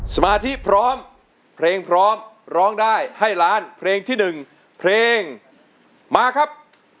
สมาธิพร้อมเพลงพร้อมร้องได้ให้ล้านเพลงที่๑เพลงมาครับ